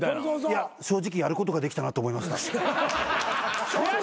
いや正直やることができたなと思いました。